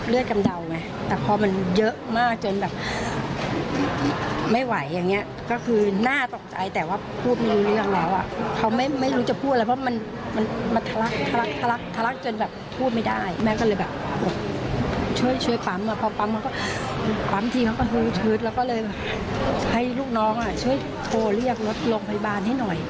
แล้วให้ลูกน้องช่วยโทรเรียบรถโรงพยาบาลให้หน่อย